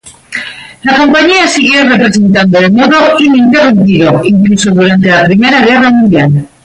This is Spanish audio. La compañía siguió representando de modo ininterrumpido, incluso durante la Primera Guerra Mundial.